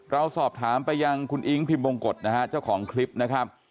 เราสอบถามไปยังคุณอิ๊งพิมบงกฎนะฮะเจ้าของคลิปนะครับ